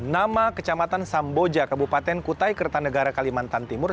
nama kecamatan samboja kabupaten kutai kertanegara kalimantan timur